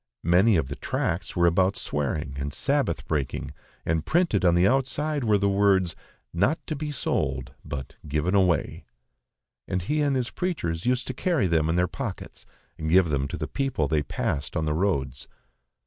Many of the tracts were about swearing and Sabbath breaking, and printed on the outside were the words, "Not to be sold, but given away"; and he and his preachers used to carry them in their pockets and give them to the people they passed on the roads.